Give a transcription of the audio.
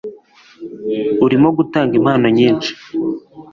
urimo gutanga impano nyinshi